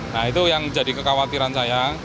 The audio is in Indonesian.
nah itu yang jadi kekhawatiran saya